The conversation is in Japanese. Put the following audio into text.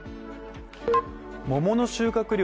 桃の収穫量